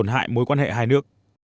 làm tổn hại mối quan hệ hai nước